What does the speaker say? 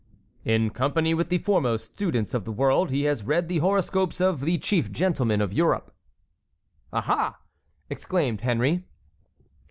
"In company with the foremost students of the world he has read the horoscopes of the chief gentlemen of Europe." "Ah! ah!" exclaimed Henry.